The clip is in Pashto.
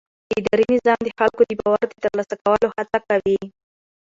اداري نظام د خلکو د باور د ترلاسه کولو هڅه کوي.